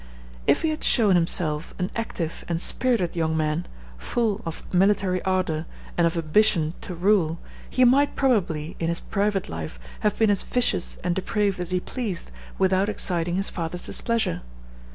If he had shown himself an active and spirited young man, full of military ardor, and of ambition to rule, he might probably, in his private life, have been as vicious and depraved as he pleased without exciting his father's displeasure.